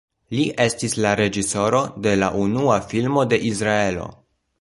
Li estis la reĝisoro de la unua filmo de Izraelo.